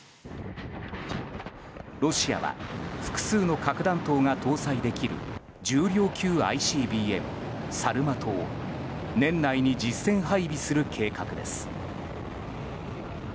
ロシアは複数の核弾頭が搭載できる重量級ＩＣＢＭサルマトを年内に実戦配備する計画です。